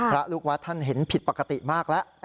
ลูกวัดท่านเห็นผิดปกติมากแล้ว